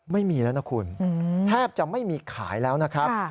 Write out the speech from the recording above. ไม่มีแล้วนะคุณแทบจะไม่มีขายแล้วนะครับ